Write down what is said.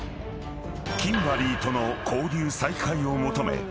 ［キンバリーとの交流再開を求め